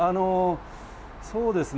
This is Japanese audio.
そうですね。